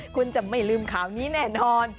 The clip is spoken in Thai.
คุณจะไม่ลืมข่าวนี้แน่นอน